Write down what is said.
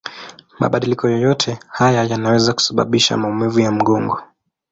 Mabadiliko yoyote haya yanaweza kusababisha maumivu ya mgongo.